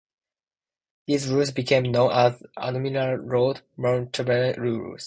These rules became known as Admiral-Lord Mountevans rules.